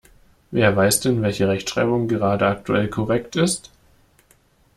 Wer weiß denn, welche Rechtschreibung gerade aktuell korrekt ist?